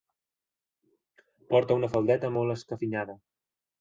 Porta una faldeta molt escafinyada.